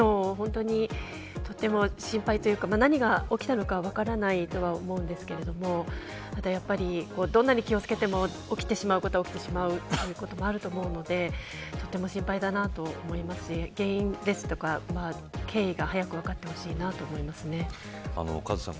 とても心配というか何が起きたのかは分からないと思うんですけどどんなに気を付けても起きてしまうことは起きてしまうということもあると思うんでとても心配だなと思いますし原因ですとか経緯が早く分かってほしいとカズさん